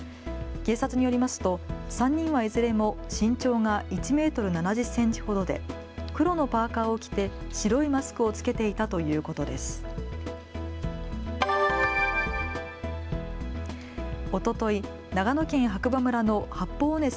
警察によりますと３人はいずれも身長が１メートル７０センチほどで、黒のパーカーを着て白いマスクを着けていたということです。